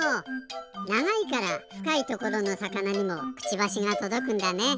ながいからふかいところのさかなにもクチバシがとどくんだね。